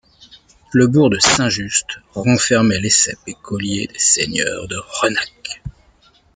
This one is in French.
Le bourg de Saint-Just renfermait les ceps et collier des seigneurs de Renac.